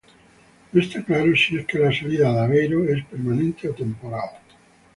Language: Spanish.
No está claro si es que la salida de Aveiro es permanente o temporal.